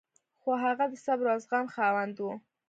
خو هغه د صبر او زغم خاوند و.